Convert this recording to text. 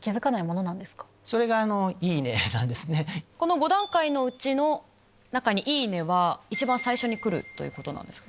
この５段階のうちの中に「いいね」は一番最初に来るということなんですか？